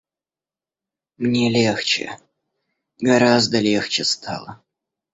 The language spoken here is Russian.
Мне легче, гораздо легче стало.